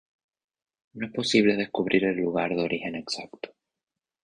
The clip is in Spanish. No es posible descubrir el lugar de origen exacto.